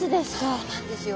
そうなんですよ。